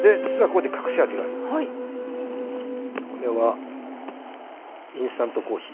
これはインスタントコーヒー。